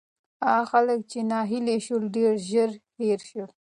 هغه خلک چې ناهیلي شول، ډېر ژر هېر شول.